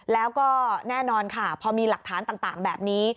แล้วก็แน่นอนค่ะพอมีหลักฐานต่างแบบนี้